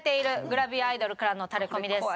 グラビアアイドルからのタレコミです。